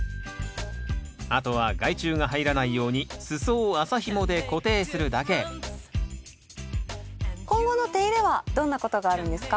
あとは害虫が入らないように裾を麻ひもで固定するだけ今後の手入れはどんなことがあるんですか？